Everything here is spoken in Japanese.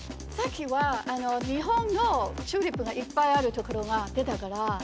さっきは日本のチューリップがいっぱいあるところが出たから。